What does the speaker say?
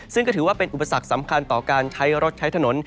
ซึ่งก็ถือว่าเป็นอุปสรรคสำคัญต่อการใช้รถใช้ถนน